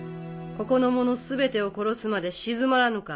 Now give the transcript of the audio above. ここの者全てを殺すまで鎮まらぬか。